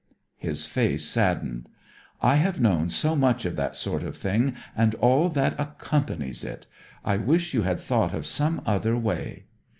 His face saddened. 'I have known so much of that sort of thing, and all that accompanies it! I wish you had thought of some other way.'